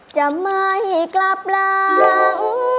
จะไม่กลับหลัง